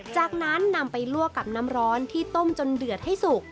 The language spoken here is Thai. จากนั้นนำไปลวกกับน้ำร้อนที่ต้มจนเดือดให้สุก